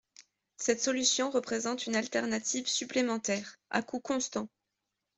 Cette solution représente une alternative supplémentaire, à coût constant.